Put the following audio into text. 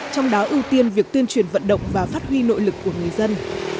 trong đó ưu tiên việc tuyên truyền vận động và phát huy nội lực của người dân